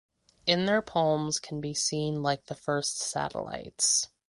In their palms can be seen like the first satellites.